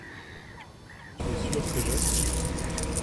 Tu es sûr que j’aime.